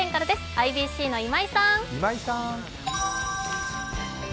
ＩＢＣの今井さん！